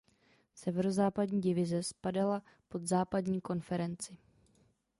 Severozápadní divize spadala pod Západní konferenci.